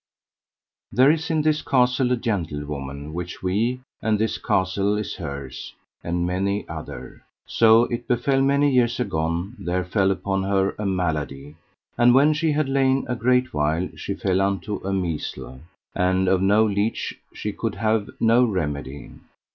There is in this castle a gentlewoman which we and this castle is hers, and many other. So it befell many years agone there fell upon her a malady; and when she had lain a great while she fell unto a measle, and of no leech she could have no remedy.